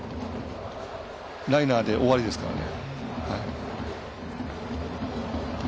ライナーで終わりですからね。